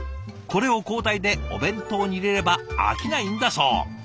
これを交代でお弁当に入れれば飽きないんだそう。